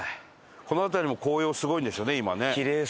この辺りも紅葉すごいんですよね今ね。